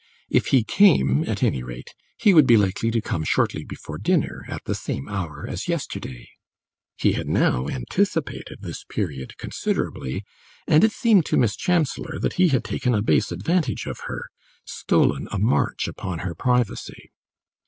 If he came, at any rate, he would be likely to come shortly before dinner, at the same hour as yesterday. He had now anticipated this period considerably, and it seemed to Miss Chancellor that he had taken a base advantage of her, stolen a march upon her privacy.